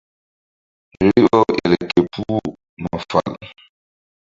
Riɓa-u el ke puh ma fal.